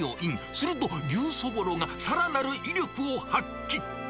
すると、牛そぼろがさらなる威力を発揮。